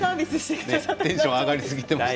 テンション上がりすぎていましたか。